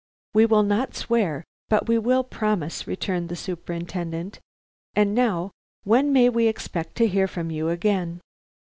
"We will not swear, but we will promise," returned the Superintendent. "And now, when may we expect to hear from you again?"